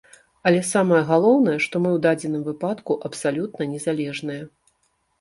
Але самае галоўнае, што мы ў дадзеным выпадку абсалютна незалежныя.